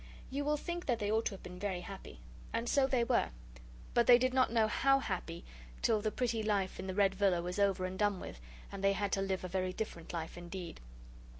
You will think that they ought to have been very happy. And so they were, but they did not know HOW happy till the pretty life in the Red Villa was over and done with, and they had to live a very different life indeed.